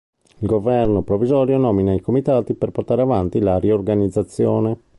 Il governo provvisorio nomina i comitati per portare avanti la riorganizzazione.